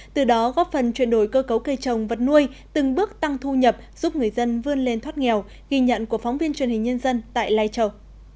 từ đó góp phần chuyển đổi cơ cấu cây trồng vật nuôi từng bước tăng thu nhập giúp người dân vươn lên thoát nghèo ghi nhận của phóng viên truyền hình nhân dân tại lai châu